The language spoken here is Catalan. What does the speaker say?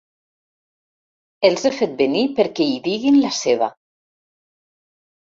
Els he fet venir perquè hi diguin la seva.